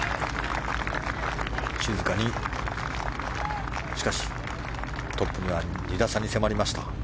静かに、しかしトップには２打差に迫りました。